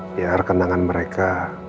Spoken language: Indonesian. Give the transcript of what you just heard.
biar kenangan mereka